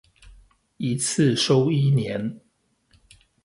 一次收一年